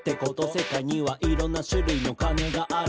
「世界にはいろんな種類のお金がある」